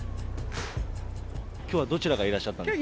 きょうはどちらからいらっしゃったんですか？